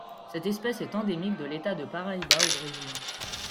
Cette espèce est endémique de l'État de Paraíba au Brésil.